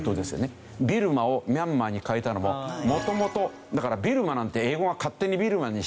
ビルマをミャンマーに変えたのも元々だからビルマなんて英語が勝手にビルマにした。